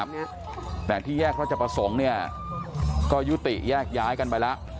ครับแต่ที่แยกแล้วจะเผาสงด์ก็ยุติแยกย้ายกันไปแล้ว